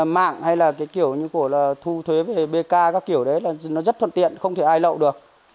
mạng hay là cái kiểu như của là thu thuế về bk các kiểu đấy là nó rất thuận tiện không thể ai lậu được